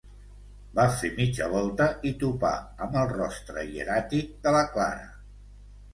Va fer mitja volta i topà amb el rostre hieràtic de la Clara.